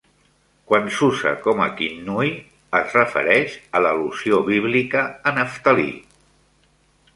Quan s'usa com a kinnui, es refereix a l'al·lusió bíblica a Neftalí.